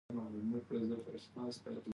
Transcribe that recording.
انګور د افغان ماشومانو د زده کړې یوه موضوع ده.